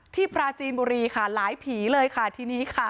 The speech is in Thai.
ปราจีนบุรีค่ะหลายผีเลยค่ะทีนี้ค่ะ